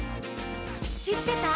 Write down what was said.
「しってた？」